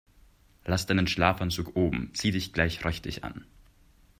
Lass deinen Schlafanzug oben, zieh dich gleich richtig an.